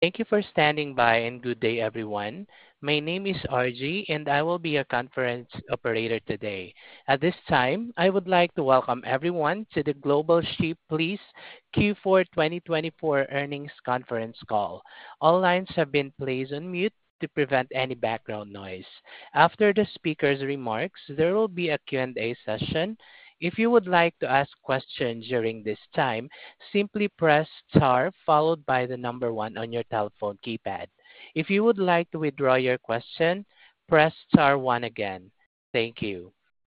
Thank you for standing by and good day, everyone. My name is RJ, and I will be your conference operator today. At this time, I would like to welcome everyone to the Global Ship Lease Q4 2024 earnings conference call. All lines have been placed on mute to prevent any background noise. After the speaker's remarks, there will be a Q&A session. If you would like to ask questions during this time, simply press * followed by the number one on your telephone keypad. If you would like to withdraw your question, press * one again. Thank you.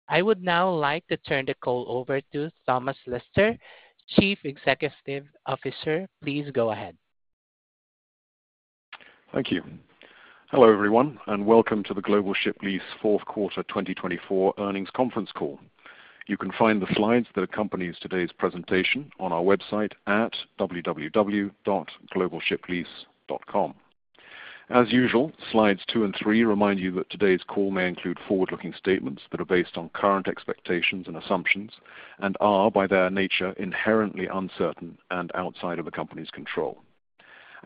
I would now like to turn the call over to Thomas Lister, Chief Executive Officer. Please go ahead. Thank you. Hello, everyone, and welcome to the Global Ship Lease Fourth Quarter 2024 earnings conference call. You can find the slides that accompany today's presentation on our website at www.globalshiplease.com. As usual, slides two and three remind you that today's call may include forward-looking statements that are based on current expectations and assumptions and are, by their nature, inherently uncertain and outside of the company's control.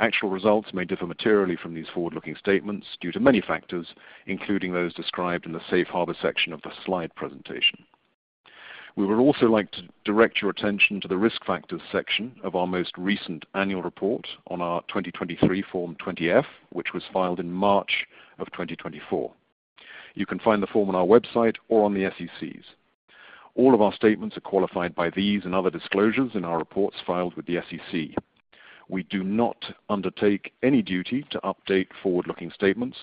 Actual results may differ materially from these forward-looking statements due to many factors, including those described in the safe harbor section of the slide presentation. We would also like to direct your attention to the risk factors section of our most recent annual report on our 2023 Form 20-F, which was filed in March of 2024. You can find the form on our website or on the SEC's. All of our statements are qualified by these and other disclosures in our reports filed with the SEC. We do not undertake any duty to update forward-looking statements.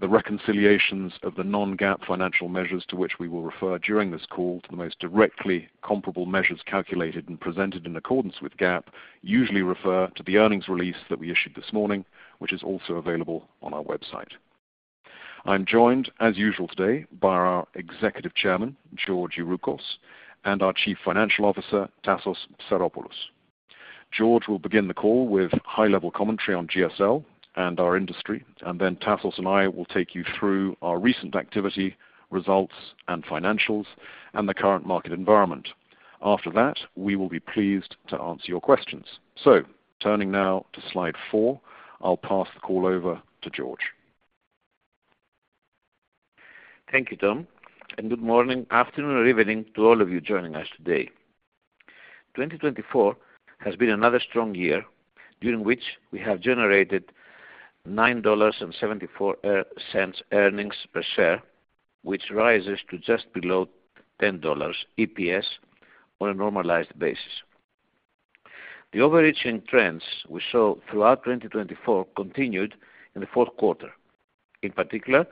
The reconciliations of the non-GAAP financial measures to which we will refer during this call to the most directly comparable measures calculated and presented in accordance with GAAP usually refer to the earnings release that we issued this morning, which is also available on our website. I'm joined, as usual today, by our Executive Chairman, George Youroukos, and our Chief Financial Officer, Tassos Psaropoulos. George will begin the call with high-level commentary on GSL and our industry, and then Tassos and I will take you through our recent activity, results, and financials, and the current market environment. After that, we will be pleased to answer your questions. Turning now to slide four, I'll pass the call over to George. Thank you, Tom, and good morning, afternoon, or evening to all of you joining us today. 2024 has been another strong year during which we have generated $9.74 earnings per share, which rises to just below $10 EPS on a normalized basis. The overreaching trends we saw throughout 2024 continued in the fourth quarter. In particular,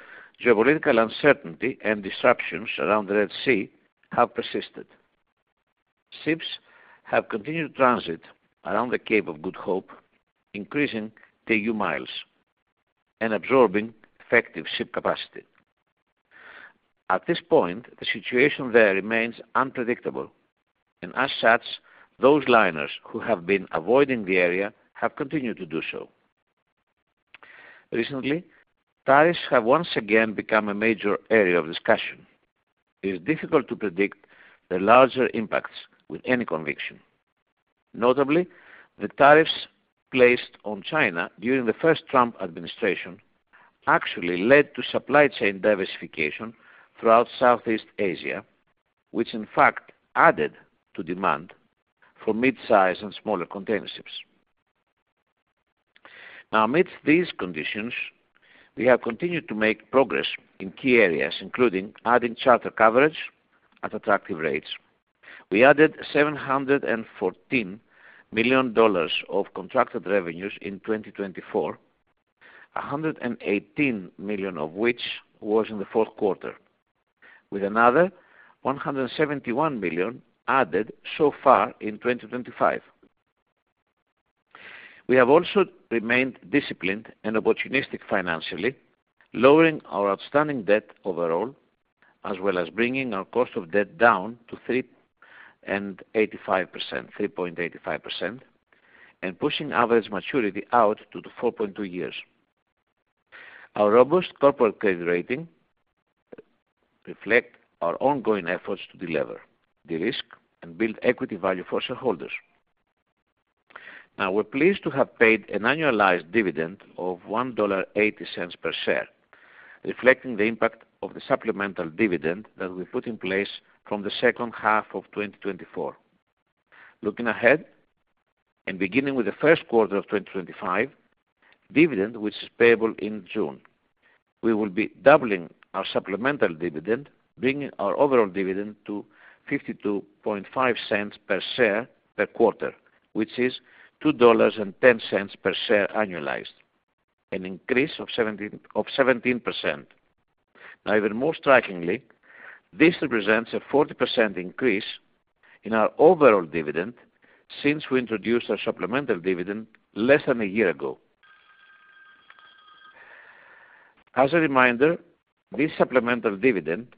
geopolitical uncertainty and disruptions around the Red Sea have persisted. Ships have continued to transit around the Cape of Good Hope, increasing TEU miles and absorbing effective ship capacity. At this point, the situation there remains unpredictable, and as such, those liners who have been avoiding the area have continued to do so. Recently, tariffs have once again become a major area of discussion. It is difficult to predict the larger impacts with any conviction. Notably, the tariffs placed on China during the first Trump administration actually led to supply chain diversification throughout Southeast Asia, which in fact added to demand for mid-size and smaller container ships. Now, amidst these conditions, we have continued to make progress in key areas, including adding charter coverage at attractive rates. We added $714 million of contracted revenues in 2024, $118 million of which was in the fourth quarter, with another $171 million added so far in 2025. We have also remained disciplined and opportunistic financially, lowering our outstanding debt overall, as well as bringing our cost of debt down to 3.85%, 3.85%, and pushing average maturity out to 4.2 years. Our robust corporate credit rating reflects our ongoing efforts to deliver the risk and build equity value for shareholders. Now, we're pleased to have paid an annualized dividend of $1.80 per share, reflecting the impact of the supplemental dividend that we put in place from the second half of 2024. Looking ahead and beginning with the first quarter of 2025, dividend, which is payable in June, we will be doubling our supplemental dividend, bringing our overall dividend to $0.525 per share per quarter, which is $2.10 per share annualized, an increase of 17%. Now, even more strikingly, this represents a 40% increase in our overall dividend since we introduced our supplemental dividend less than a year ago. As a reminder, this supplemental dividend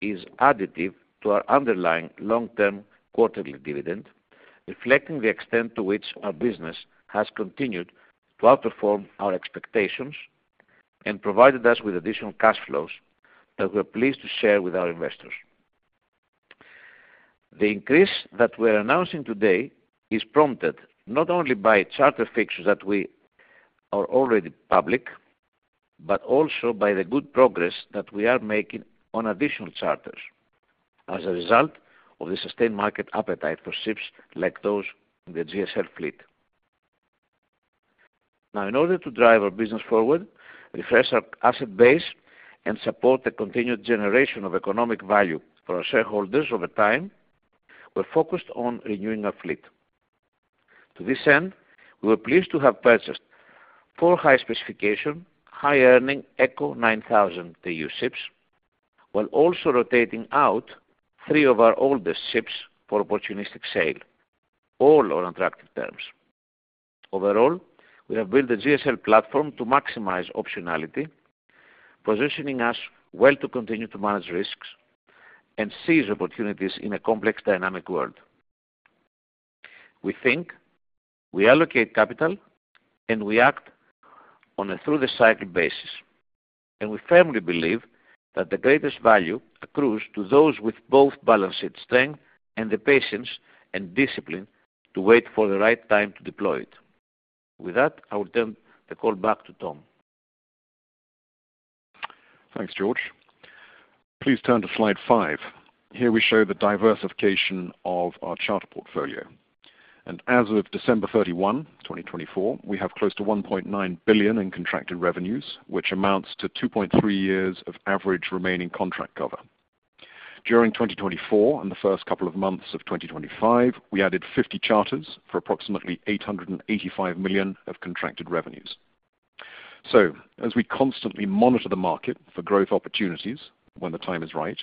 is additive to our underlying long-term quarterly dividend, reflecting the extent to which our business has continued to outperform our expectations and provided us with additional cash flows that we're pleased to share with our investors. The increase that we're announcing today is prompted not only by charter fixtures that are already public, but also by the good progress that we are making on additional charters as a result of the sustained market appetite for ships like those in the GSL fleet. Now, in order to drive our business forward, refresh our asset base, and support the continued generation of economic value for our shareholders over time, we're focused on renewing our fleet. To this end, we were pleased to have purchased four high-specification, high-earning ECO 9000 TEU ships, while also rotating out three of our oldest ships for opportunistic sale, all on attractive terms. Overall, we have built the GSL platform to maximize optionality, positioning us well to continue to manage risks and seize opportunities in a complex, dynamic world. We think, we allocate capital, and we act on a through-the-cycle basis. We firmly believe that the greatest value accrues to those with both balance sheet strength and the patience and discipline to wait for the right time to deploy it. With that, I will turn the call back to Tom. Thanks, George. Please turn to slide five. Here we show the diversification of our charter portfolio. As of December 31, 2024, we have close to $1.9 billion in contracted revenues, which amounts to 2.3 years of average remaining contract cover. During 2024 and the first couple of months of 2025, we added 50 charters for approximately $885 million of contracted revenues. As we constantly monitor the market for growth opportunities when the time is right,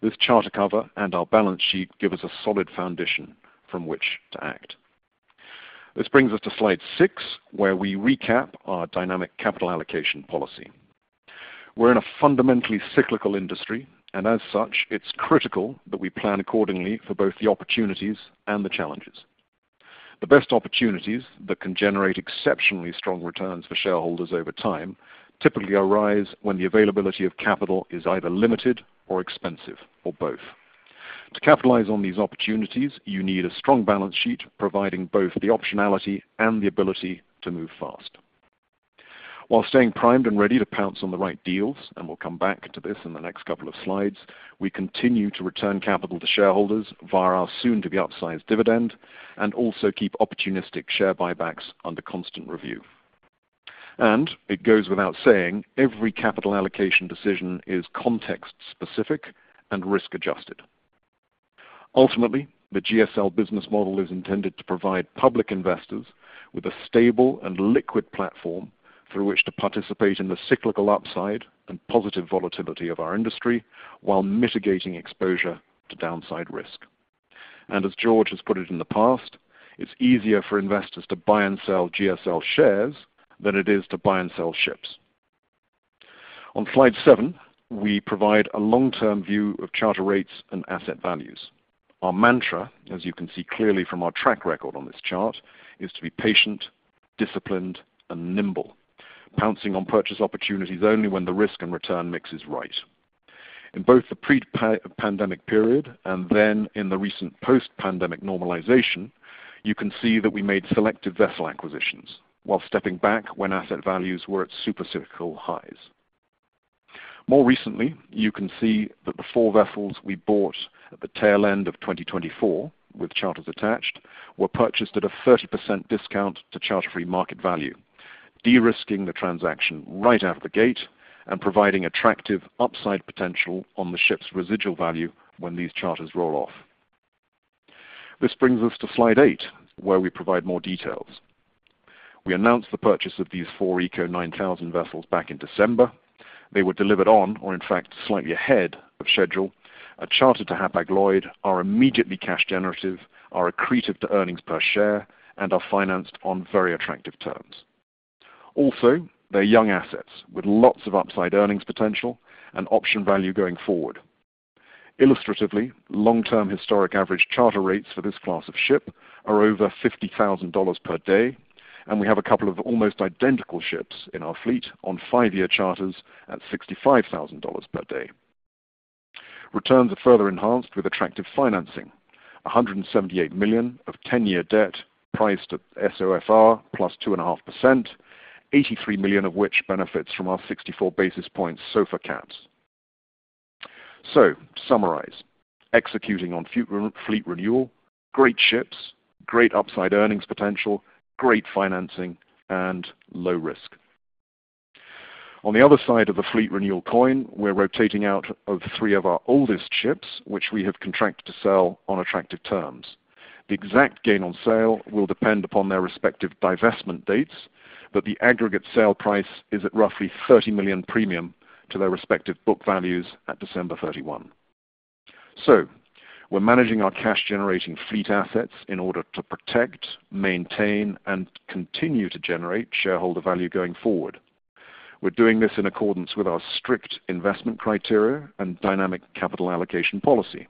this charter cover and our balance sheet give us a solid foundation from which to act. This brings us to slide six, where we recap our dynamic capital allocation policy. We are in a fundamentally cyclical industry, and as such, it is critical that we plan accordingly for both the opportunities and the challenges. The best opportunities that can generate exceptionally strong returns for shareholders over time typically arise when the availability of capital is either limited or expensive, or both. To capitalize on these opportunities, you need a strong balance sheet providing both the optionality and the ability to move fast. While staying primed and ready to pounce on the right deals, we will come back to this in the next couple of slides, we continue to return capital to shareholders via our soon-to-be-outsized dividend and also keep opportunistic share buybacks under constant review. It goes without saying, every capital allocation decision is context-specific and risk-adjusted. Ultimately, the GSL business model is intended to provide public investors with a stable and liquid platform through which to participate in the cyclical upside and positive volatility of our industry while mitigating exposure to downside risk. As George has put it in the past, it's easier for investors to buy and sell GSL shares than it is to buy and sell ships. On slide seven, we provide a long-term view of charter rates and asset values. Our mantra, as you can see clearly from our track record on this chart, is to be patient, disciplined, and nimble, pouncing on purchase opportunities only when the risk and return mix is right. In both the pre-pandemic period and then in the recent post-pandemic normalization, you can see that we made selective vessel acquisitions while stepping back when asset values were at super cyclical highs. More recently, you can see that the four vessels we bought at the tail end of 2024 with charters attached were purchased at a 30% discount to charter-free market value, de-risking the transaction right out of the gate and providing attractive upside potential on the ship's residual value when these charters roll off. This brings us to slide eight, where we provide more details. We announced the purchase of these four ECO 9000 vessels back in December. They were delivered on, or in fact, slightly ahead of schedule. Are chartered to Hapag-Lloyd, are immediately cash generative, are accretive to earnings per share, and are financed on very attractive terms. Also, they're young assets with lots of upside earnings potential and option value going forward. Illustratively, long-term historic average charter rates for this class of ship are over $50,000 per day, and we have a couple of almost identical ships in our fleet on five-year charters at $65,000 per day. Returns are further enhanced with attractive financing: $178 million of 10-year debt priced at SOFR plus 2.5%, $83 million of which benefits from our 64 basis points SOFR caps. To summarize, executing on fleet renewal, great ships, great upside earnings potential, great financing, and low risk. On the other side of the fleet renewal coin, we're rotating out of three of our oldest ships, which we have contracted to sell on attractive terms. The exact gain on sale will depend upon their respective divestment dates, but the aggregate sale price is at roughly $30 million premium to their respective book values at December 31. We're managing our cash-generating fleet assets in order to protect, maintain, and continue to generate shareholder value going forward. We're doing this in accordance with our strict investment criteria and dynamic capital allocation policy.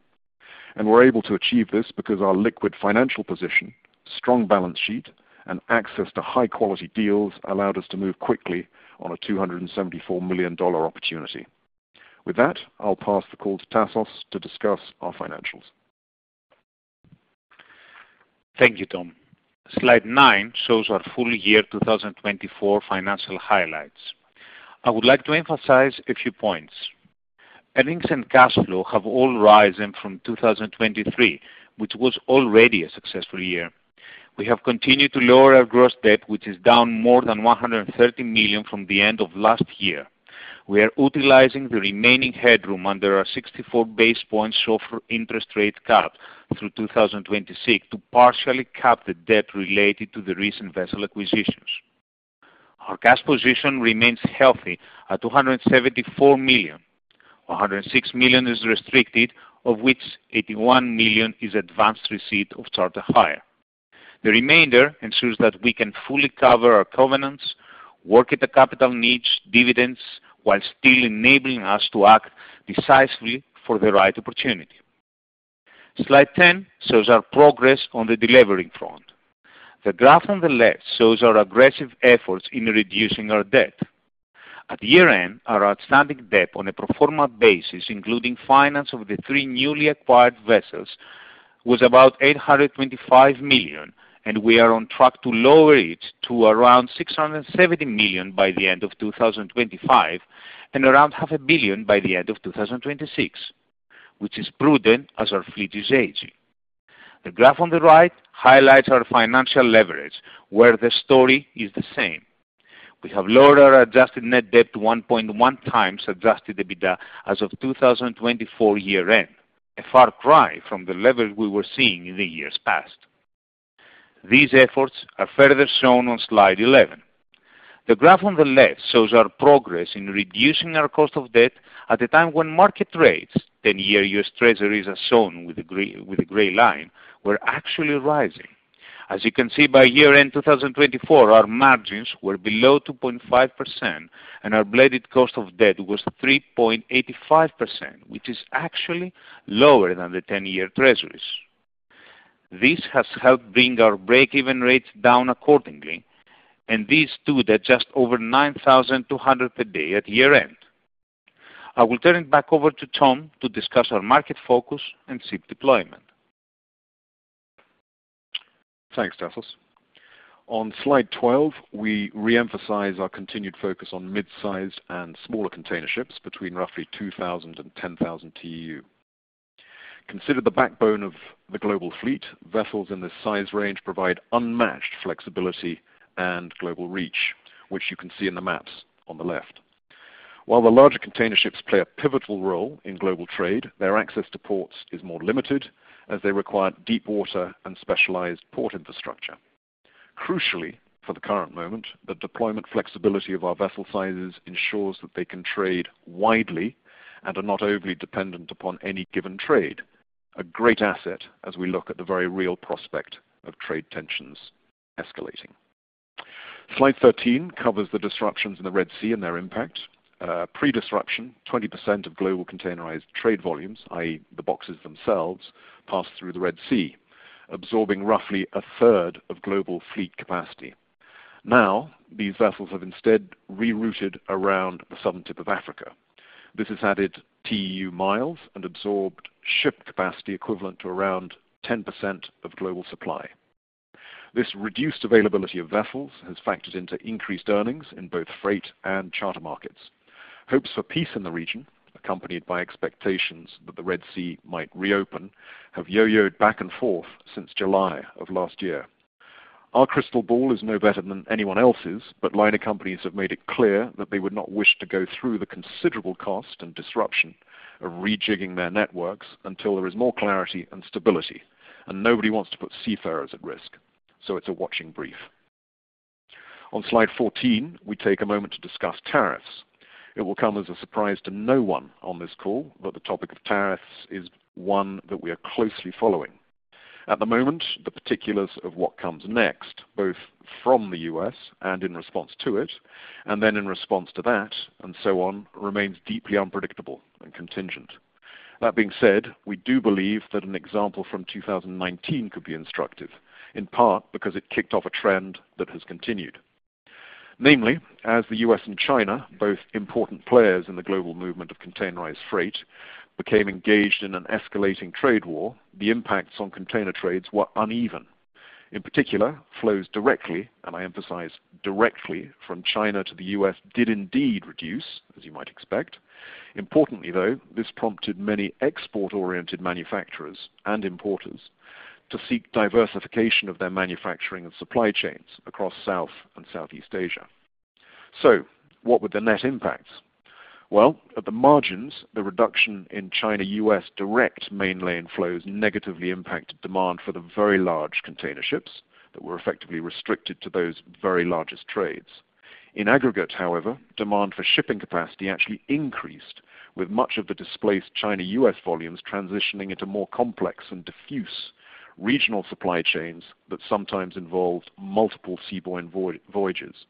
We're able to achieve this because our liquid financial position, strong balance sheet, and access to high-quality deals allowed us to move quickly on a $274 million opportunity. With that, I'll pass the call to Tassos to discuss our financials. Thank you, Tom. Slide nine shows our full year 2024 financial highlights. I would like to emphasize a few points. Earnings and cash flow have all risen from 2023, which was already a successful year. We have continued to lower our gross debt, which is down more than $130 million from the end of last year. We are utilizing the remaining headroom under our 64 basis points SOFR interest rate cap through 2026 to partially cap the debt related to the recent vessel acquisitions. Our cash position remains healthy at $274 million. $106 million is restricted, of which $81 million is advanced receipt of charter hire. The remainder ensures that we can fully cover our covenants, work at the capital needs, dividends, while still enabling us to act decisively for the right opportunity. Slide 10 shows our progress on the delivery front. The graph on the left shows our aggressive efforts in reducing our debt. At year-end, our outstanding debt on a pro forma basis, including finance of the three newly acquired vessels, was about $825 million, and we are on track to lower it to around $670 million by the end of 2025 and around $500 million by the end of 2026, which is prudent as our fleet is aging. The graph on the right highlights our financial leverage, where the story is the same. We have lowered our adjusted net debt to 1.1 times adjusted EBITDA as of 2024 year-end, a far cry from the leverage we were seeing in the years past. These efforts are further shown on slide 11. The graph on the left shows our progress in reducing our cost of debt at a time when market rates, 10-year U.S. Treasuries as shown with the gray line, were actually rising. As you can see, by year-end 2024, our margins were below 2.5%, and our blended cost of debt was 3.85%, which is actually lower than the 10-year Treasuries. This has helped bring our break-even rates down accordingly, and these stood at just over $9,200 per day at year-end. I will turn it back over to Tom to discuss our market focus and ship deployment. Thanks, Tassos. On slide 12, we re-emphasize our continued focus on mid-sized and smaller container ships between roughly 2,000 and 10,000 TEU. Consider the backbone of the global fleet. Vessels in this size range provide unmatched flexibility and global reach, which you can see in the maps on the left. While the larger container ships play a pivotal role in global trade, their access to ports is more limited as they require deep water and specialized port infrastructure. Crucially, for the current moment, the deployment flexibility of our vessel sizes ensures that they can trade widely and are not overly dependent upon any given trade, a great asset as we look at the very real prospect of trade tensions escalating. Slide 13 covers the disruptions in the Red Sea and their impact. Pre-disruption, 20% of global containerized trade volumes, i.e., the boxes themselves, passed through the Red Sea, absorbing roughly a third of global fleet capacity. Now, these vessels have instead rerouted around the southern tip of Africa. This has added TEU miles and absorbed ship capacity equivalent to around 10% of global supply. This reduced availability of vessels has factored into increased earnings in both freight and charter markets. Hopes for peace in the region, accompanied by expectations that the Red Sea might reopen, have yo-yoed back and forth since July of last year. Our crystal ball is no better than anyone else's, but liner companies have made it clear that they would not wish to go through the considerable cost and disruption of rejigging their networks until there is more clarity and stability, and nobody wants to put seafarers at risk, so it's a watching brief. On slide 14, we take a moment to discuss tariffs. It will come as a surprise to no one on this call, but the topic of tariffs is one that we are closely following. At the moment, the particulars of what comes next, both from the U.S. and in response to it, and then in response to that, and so on, remains deeply unpredictable and contingent. That being said, we do believe that an example from 2019 could be instructive, in part because it kicked off a trend that has continued. Namely, as the U.S. and China, both important players in the global movement of containerized freight, became engaged in an escalating trade war, the impacts on container trades were uneven. In particular, flows directly, and I emphasize directly, from China to the U.S. did indeed reduce, as you might expect. Importantly, though, this prompted many export-oriented manufacturers and importers to seek diversification of their manufacturing and supply chains across South and Southeast Asia. What were the net impacts? At the margins, the reduction in China-U.S. direct mainlane flows negatively impacted demand for the very large container ships that were effectively restricted to those very largest trades. In aggregate, however, demand for shipping capacity actually increased, with much of the displaced China-U.S. volumes transitioning into more complex and diffuse regional supply chains that sometimes involved multiple seaborne voyages.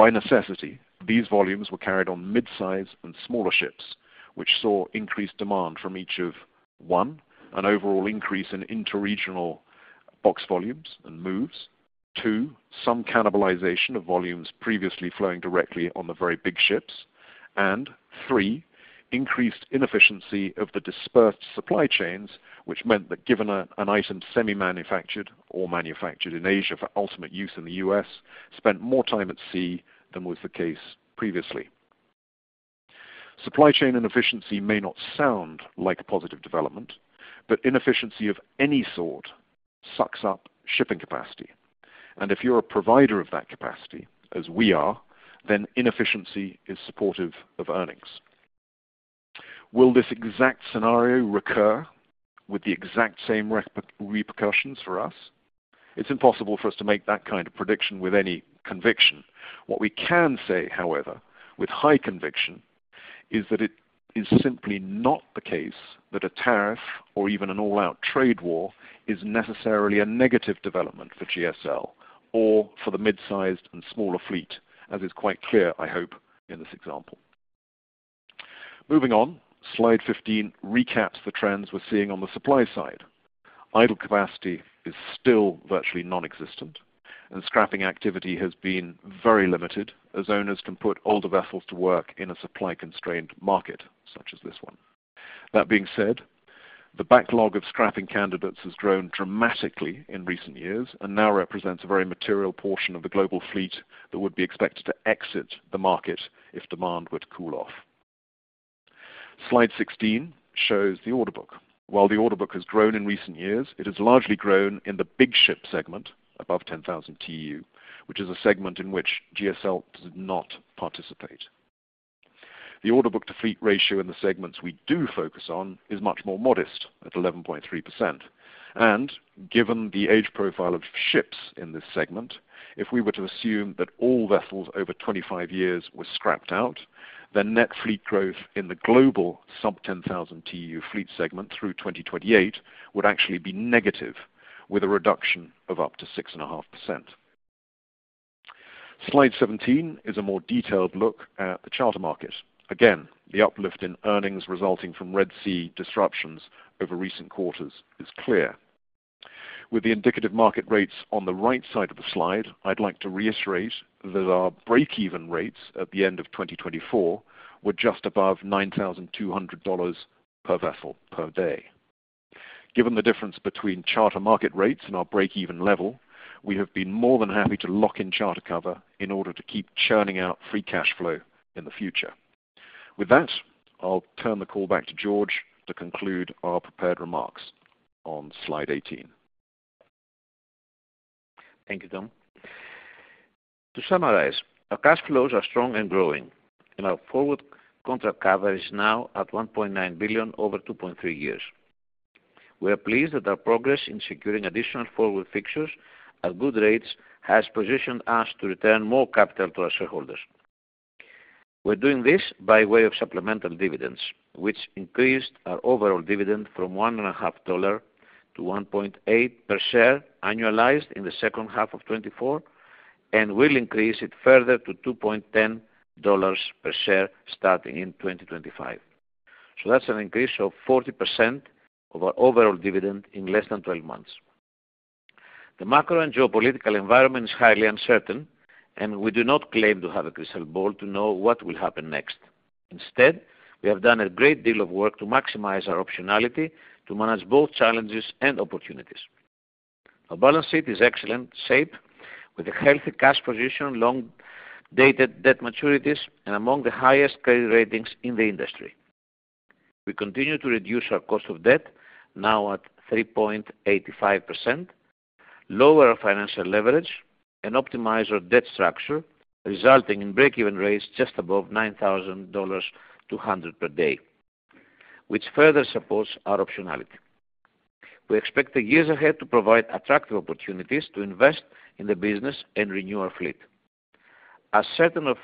By necessity, these volumes were carried on mid-sized and smaller ships, which saw increased demand from each of, one, an overall increase in interregional box volumes and moves; two, some cannibalization of volumes previously flowing directly on the very big ships; and three, increased inefficiency of the dispersed supply chains, which meant that given an item semi-manufactured or manufactured in Asia for ultimate use in the U.S., spent more time at sea than was the case previously. Supply chain inefficiency may not sound like a positive development, but inefficiency of any sort sucks up shipping capacity. If you're a provider of that capacity, as we are, then inefficiency is supportive of earnings. Will this exact scenario recur with the exact same repercussions for us? It's impossible for us to make that kind of prediction with any conviction. What we can say, however, with high conviction, is that it is simply not the case that a tariff or even an all-out trade war is necessarily a negative development for GSL or for the mid-sized and smaller fleet, as is quite clear, I hope, in this example. Moving on, slide 15 recaps the trends we're seeing on the supply side. Idle capacity is still virtually nonexistent, and scrapping activity has been very limited as owners can put older vessels to work in a supply-constrained market such as this one. That being said, the backlog of scrapping candidates has grown dramatically in recent years and now represents a very material portion of the global fleet that would be expected to exit the market if demand would cool off. Slide 16 shows the order book. While the order book has grown in recent years, it has largely grown in the big ship segment above 10,000 TEU, which is a segment in which GSL did not participate. The order book-to-fleet ratio in the segments we do focus on is much more modest at 11.3%. Given the age profile of ships in this segment, if we were to assume that all vessels over 25 years were scrapped out, then net fleet growth in the global sub-10,000 TEU fleet segment through 2028 would actually be negative, with a reduction of up to 6.5%. Slide 17 is a more detailed look at the charter market. Again, the uplift in earnings resulting from Red Sea disruptions over recent quarters is clear. With the indicative market rates on the right side of the slide, I'd like to reiterate that our break-even rates at the end of 2024 were just above $9,200 per vessel per day. Given the difference between charter market rates and our break-even level, we have been more than happy to lock in charter cover in order to keep churning out free cash flow in the future. With that, I'll turn the call back to George to conclude our prepared remarks on slide 18. Thank you, Tom. To summarize, our cash flows are strong and growing, and our forward contract coverage is now at $1.9 billion over 2.3 years. We are pleased that our progress in securing additional forward fixtures at good rates has positioned us to return more capital to our shareholders. We're doing this by way of supplemental dividends, which increased our overall dividend from $1.50 to $1.80 per share annualized in the second half of 2024, and we will increase it further to $2.10 per share starting in 2025. That is an increase of 40% of our overall dividend in less than 12 months. The macro and geopolitical environment is highly uncertain, and we do not claim to have a crystal ball to know what will happen next. Instead, we have done a great deal of work to maximize our optionality to manage both challenges and opportunities. Our balance sheet is in excellent shape, with a healthy cash position, long-dated debt maturities, and among the highest credit ratings in the industry. We continue to reduce our cost of debt, now at 3.85%, lower our financial leverage, and optimize our debt structure, resulting in break-even rates just above $9,200 per day, which further supports our optionality. We expect the years ahead to provide attractive opportunities to invest in the business and renew our fleet. As certain of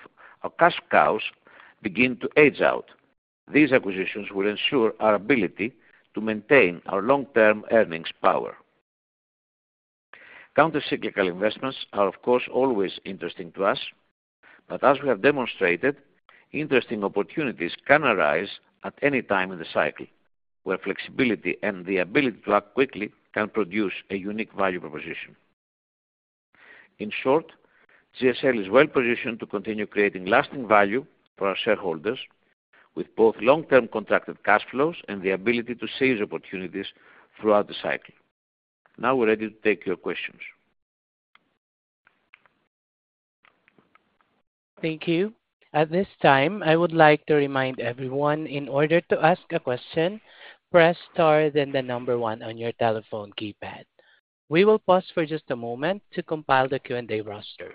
our cash cows begin to age out, these acquisitions will ensure our ability to maintain our long-term earnings power. Countercyclical investments are, of course, always interesting to us, but as we have demonstrated, interesting opportunities can arise at any time in the cycle, where flexibility and the ability to act quickly can produce a unique value proposition. In short, GSL is well-positioned to continue creating lasting value for our shareholders, with both long-term contracted cash flows and the ability to seize opportunities throughout the cycle. Now we're ready to take your questions. Thank you. At this time, I would like to remind everyone, in order to ask a question, press star then the number one on your telephone keypad. We will pause for just a moment to compile the Q&A roster.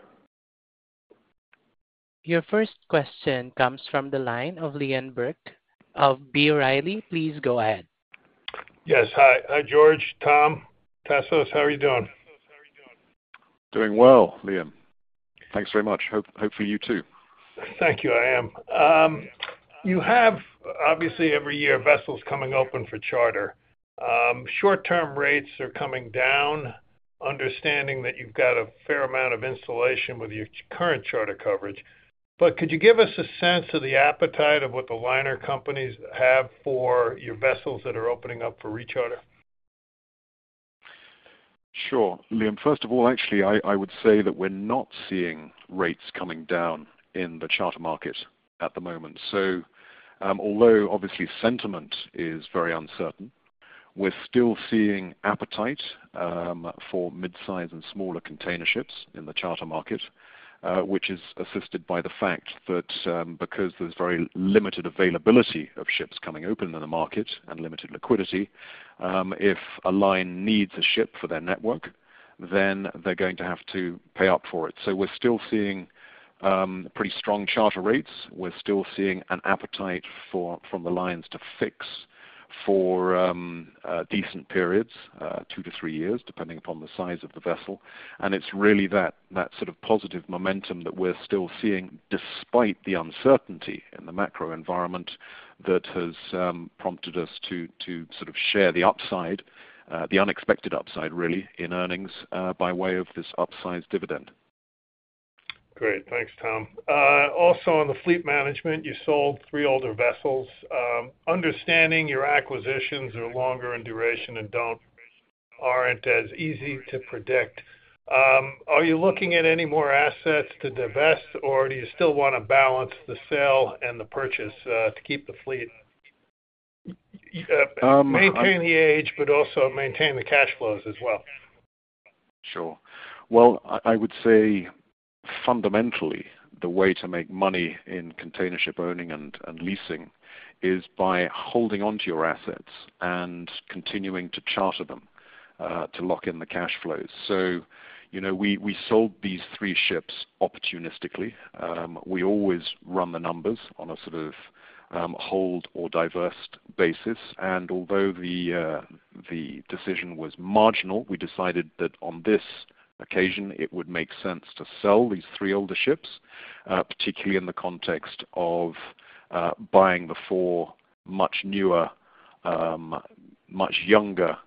Your first question comes from the line of Liam Burke of B. Riley. Please go ahead. Yes. Hi, George, Tom, Tassos. How are you doing? Doing well, Liam. Thanks very much. Hopefully, you too. Thank you. I am. You have, obviously, every year, vessels coming open for charter. Short-term rates are coming down, understanding that you've got a fair amount of insulation with your current charter coverage. Could you give us a sense of the appetite of what the liner companies have for your vessels that are opening up for recharter? Sure. Liam, first of all, actually, I would say that we're not seeing rates coming down in the charter market at the moment. Although, obviously, sentiment is very uncertain, we're still seeing appetite for mid-sized and smaller container ships in the charter market, which is assisted by the fact that because there's very limited availability of ships coming open in the market and limited liquidity, if a line needs a ship for their network, then they're going to have to pay up for it. We're still seeing pretty strong charter rates. We're still seeing an appetite from the lines to fix for decent periods, two to three years, depending upon the size of the vessel. It is really that sort of positive momentum that we are still seeing, despite the uncertainty in the macro environment, that has prompted us to sort of share the upside, the unexpected upside, really, in earnings by way of this upsized dividend. Great. Thanks, Tom. Also, on the fleet management, you sold three older vessels. Understanding your acquisitions are longer in duration and are not as easy to predict. Are you looking at any more assets to divest, or do you still want to balance the sale and the purchase to keep the fleet? Maintain the age, but also maintain the cash flows as well. Sure. I would say, fundamentally, the way to make money in container ship owning and leasing is by holding onto your assets and continuing to charter them to lock in the cash flows. We sold these three ships opportunistically. We always run the numbers on a sort of hold or divest basis. Although the decision was marginal, we decided that on this occasion, it would make sense to sell these three older ships, particularly in the context of buying the four much newer, much younger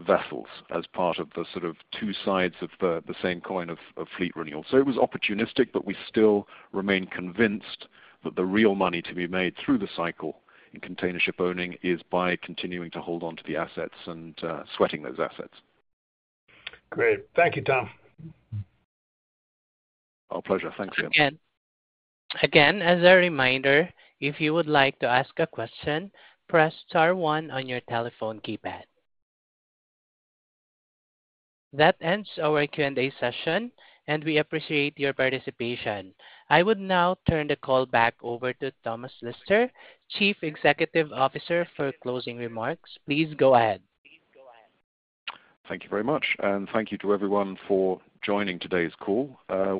vessels as part of the sort of two sides of the same coin of fleet renewal. It was opportunistic, but we still remain convinced that the real money to be made through the cycle in container ship owning is by continuing to hold onto the assets and sweating those assets. Great. Thank you, Tom. Our pleasure. Thanks, Liam. Again, as a reminder, if you would like to ask a question, press star one on your telephone keypad. That ends our Q&A session, and we appreciate your participation. I would now turn the call back over to Thomas Lister, Chief Executive Officer, for closing remarks. Please go ahead. Thank you very much. Thank you to everyone for joining today's call.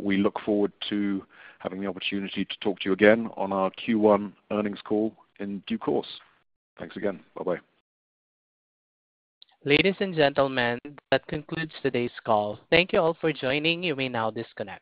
We look forward to having the opportunity to talk to you again on our Q1 earnings call in due course. Thanks again. Bye-bye. Ladies and gentlemen, that concludes today's call. Thank you all for joining. You may now disconnect.